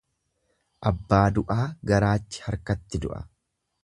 Abbaa du'aa garaachi harkatti du'a.